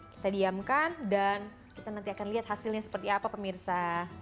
kita diamkan dan kita nanti akan lihat hasilnya seperti apa pemirsa